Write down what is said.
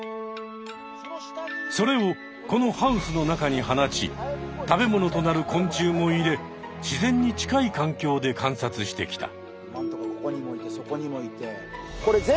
それをこのハウスの中に放ち食べ物となる昆虫も入れ自然に近い環境で観察してきた。